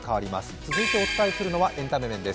続いてお伝えするのは、エンタメ面です。